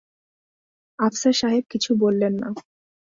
আফসার সাহেব কিছু বললেন না।